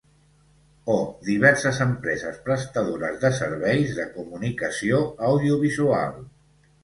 O diverses empreses prestadores de serveis de comunicació audiovisual.